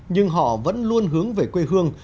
nhưng họ vẫn luôn hướng về quê hương